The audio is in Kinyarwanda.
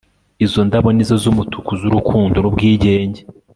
izo ndabo nizo z'umutuku z'urukundo n'ubwigenge